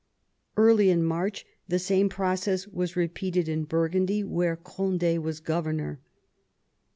Early in March the same process was repeated in Burgundy, where Gond^ was governor.